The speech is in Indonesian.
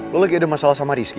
lo lagi ada masalah sama rizky